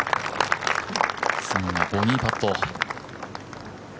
次がボギーパット。